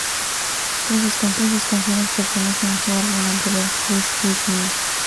Las otras dos canciones pertenecen a su álbum anterior "Please Please Me".